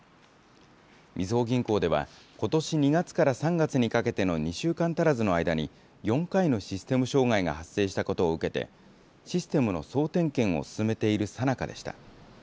みずほ銀行では、ことし２月から３月にかけての２週間足らずの間に、４回のシステム障害が発生したことを受けて、システムの総点検を進めているさなかでした。